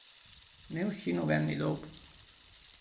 Ne uscì nove anni dopo.